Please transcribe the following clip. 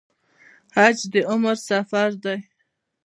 حج د عمر سفر دی